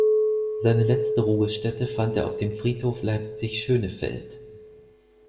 Seine letzte Ruhestätte fand er auf dem Friedhof Leipzig-Schönefeld.